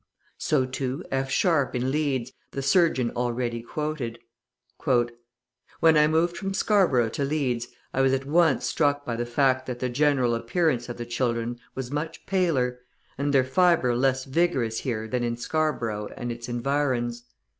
So, too, F. Sharp, in Leeds, the surgeon {157b} already quoted: "When I moved from Scarborough to Leeds, I was at once struck by the fact that the general appearance of the children was much paler, and their fibre less vigorous here than in Scarborough and its environs.